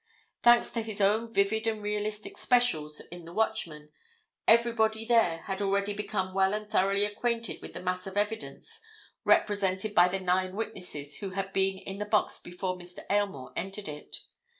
Thanks to his own vivid and realistic specials in the Watchman, everybody there had already become well and thoroughly acquainted with the mass of evidence represented by the nine witnesses who had been in the box before Mr. Aylmore entered it.